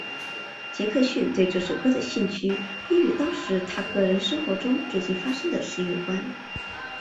杰克逊对这首歌的兴趣也与当时他个人生活中最近发生的事有关。